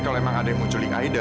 kalau emang ada yang mau culik aida